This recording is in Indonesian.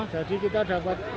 jadi kita dapat untuk